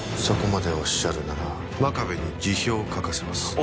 そこまでおっしゃるなら真壁に辞表を書かせます。